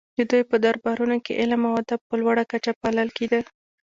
د دوی په دربارونو کې علم او ادب په لوړه کچه پالل کیده